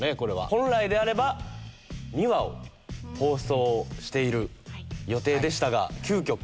本来であれば２話を放送している予定でしたが急きょ